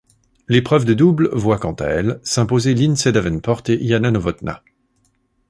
L'épreuve de double voit quant à elle s'imposer Lindsay Davenport et Jana Novotná.